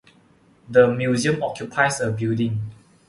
The museum occupies a building.